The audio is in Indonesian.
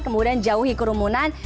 kemudian jauhi kerumunan